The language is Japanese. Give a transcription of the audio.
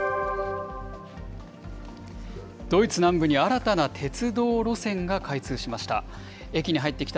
ドイツ南部に新たな鉄道路線が開通しました。